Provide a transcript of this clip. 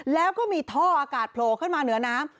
แล้วก็มีท่ออากาศโผล่ขึ้นมาเหนือน้ำ